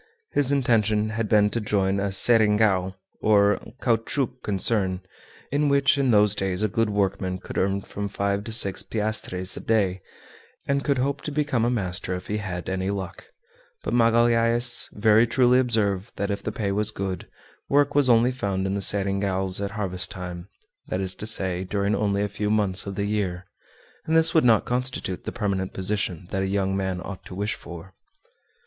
His intention had been to join a "seringal," or caoutchouc concern, in which in those days a good workman could earn from five to six piastres a day, and could hope to become a master if he had any luck; but Magalhaës very truly observed that if the pay was good, work was only found in the seringals at harvest time that is to say, during only a few months of the year and this would not constitute the permanent position that a young man ought to wish for.